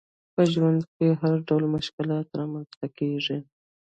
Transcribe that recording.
په ژوند کي هرډول مشکلات رامنځته کیږي